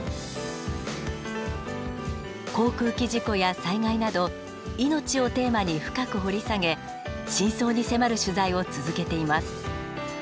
航空機事故や災害など「命」をテーマに深く掘り下げ真相に迫る取材を続けています。